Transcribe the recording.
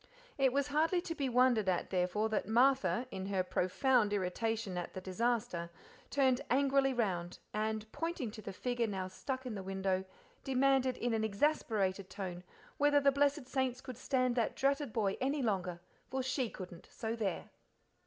It was hardly to be wondered at, therefore, that Martha, in her profound irritation at the disaster, turned angrily round, and, pointing to the figure now stuck in the window, demanded in an exasperated tone whether the blessed saints could stand that dratted boy any longer, for she couldn't, so there.